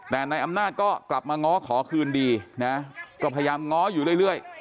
แต่นายอำนาจก็กลับมาง้อขอคืนดีนะก็พยายามง้ออยู่เรื่อย